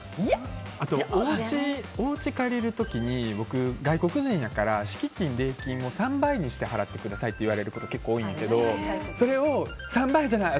あと、お家を借りる時に僕外国人だから敷金・礼金を３倍にして払ってくださいって言われること結構多いんだけどそれを３倍じゃない。